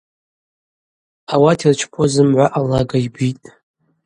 Ауат йырчпауа зымгӏва алага йбитӏ.